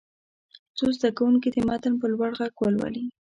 څو زده کوونکي دې متن په لوړ غږ ولولي.